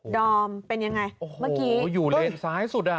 ดอมเป็นอย่างไรเมื่อกี้โอ้โฮอยู่เลนส์ซ้ายสุด